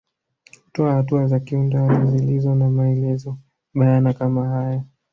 Hutoa hatua za kiundani zilizo na maelezo bayana kama hayo